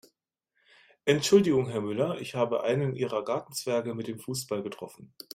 Entschuldigung Herr Müller, ich habe einen Ihrer Gartenzwerge mit dem Fußball getroffen.